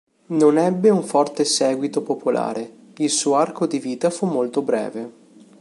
Non ebbe un forte seguito popolare: il suo arco di vita fu molto breve.